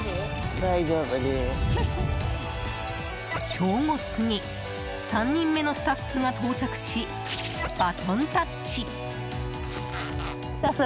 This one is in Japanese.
正午過ぎ３人目のスタッフが到着しバトンタッチ。